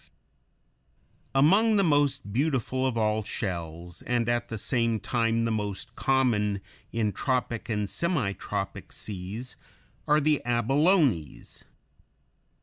] Among the most beautiful of all shells, and at the same time the most common in tropic and semitropic seas, are the abalones.